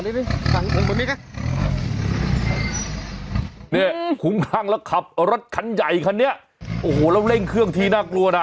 เนี่ยคุ้มข้างแล้วขับรถคันใหญ่คันนี้โอ้โหแล้วเร่งเครื่องทีน่ากลัวนะ